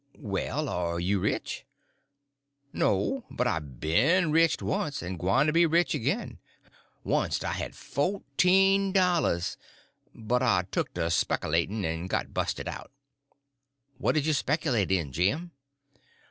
"Well, are you rich?" "No, but I ben rich wunst, and gwyne to be rich agin. Wunst I had foteen dollars, but I tuck to specalat'n', en got busted out." "What did you speculate in, Jim?"